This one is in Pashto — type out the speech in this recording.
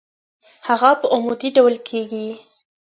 هغه په عمودي ډول کیږدئ.